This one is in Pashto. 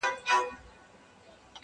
• د کلي فضا ورو ورو بيا عادي کيږي..